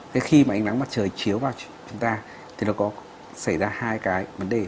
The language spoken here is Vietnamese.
thế khi mà ánh nắng mặt trời chiếu vào chúng ta thì nó có xảy ra hai cái vấn đề